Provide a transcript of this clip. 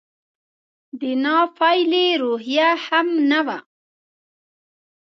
د ناپیېلې روحیه هم نه وه.